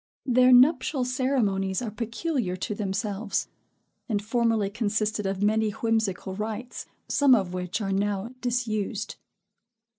Their nuptial ceremonies are peculiar to themselves; and formerly consisted of many whimsical rites, some of which are now disused.